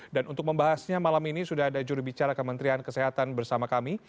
dan untuk membahasnya malam ini sudah ada juri bicara kementerian kesehatan bersama kami